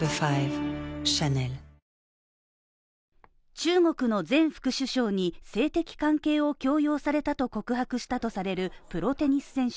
中国の前副首相に性的関係を強要されたと告白したとされるプロテニス選手。